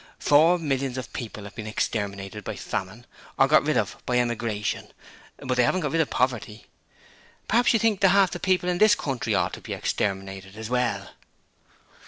Four millions of people have been exterminated by famine or got rid of by emigration, but they haven't got rid of poverty. P'raps you think that half the people in this country ought to be exterminated as well.'